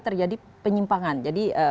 terjadi penyimpangan jadi